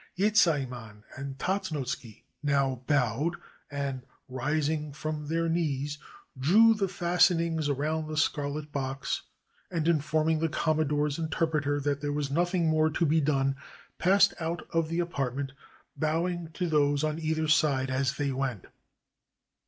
Yezaiman and Tatznoske now bowed, and, rising from their knees, drew the fastenings around the scarlet box, and informing the Commodore's interpreter that there was nothing more to be done, passed out of the 436 COMMODORE PERRY IN JAPAN apartment, bowing to those on either side as they went.